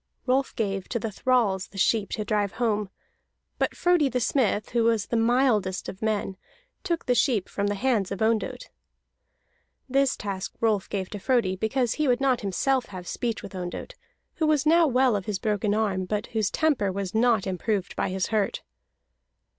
Rolf gave to the thralls the sheep to drive home; but Frodi the Smith, who was the mildest of men, took the sheep from the hands of Ondott. This task Rolf gave to Frodi, because he would not himself have speech with Ondott, who was now well of his broken arm, but whose temper was not improved by his hurt.